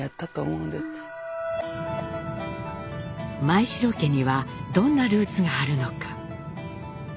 前城家にはどんなルーツがあるのか？